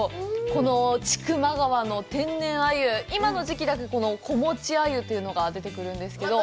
この千曲川の天然アユ、今の時期だけ子持ちアユというのが出てくるんですけど。